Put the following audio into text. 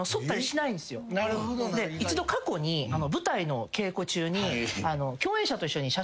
一度過去に舞台の稽古中に。